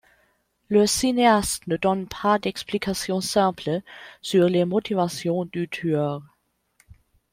Le cinéaste ne donne pas d'explication simple sur les motivations du tueur.